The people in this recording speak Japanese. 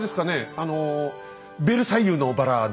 あの「ベルサイユのばら」の。